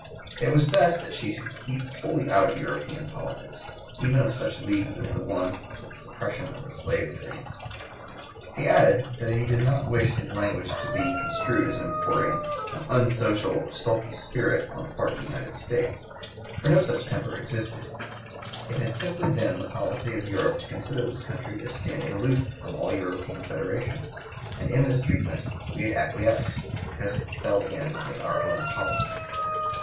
It was best that she should keep wholly out of European politics, even of such leagues as one for the suppression of the slave trade. He added, that he did not wish his language to be construed as importing "an unsocial and sulky spirit on the part of the United States;" for no such temper existed; it had simply been the policy of Europe to consider (p. 136) this country as standing aloof from all European federations, and in this treatment "we had acquiesced, because it fell in with our own policy."